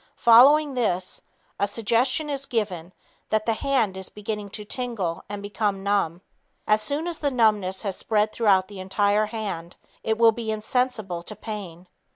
Following this, a suggestion is given that the hand is beginning to tingle and become numb. As soon as the numbness has spread through the entire hand, it will be insensible to pain.